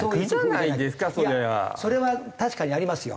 いやそれは確かにありますよ。